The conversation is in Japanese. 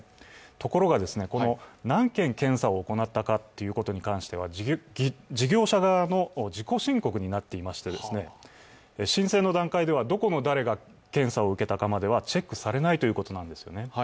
ところが、何件検査を行ったかに関しては事業者側の自己申告になっていまして、申請の段階ではどこの誰が検査を受けたかまではチェックされないということなんですよね。